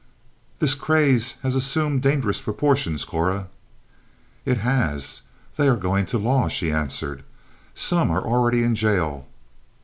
"This craze has assumed dangerous proportions, Cora." "It has. They are going to law," she answered. "Some are already in jail."